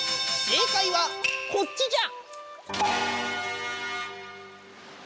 正解はこっちじゃ。